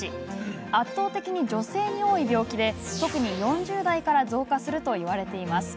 圧倒的に女性に多い病気で特に４０代から増加するといわれています。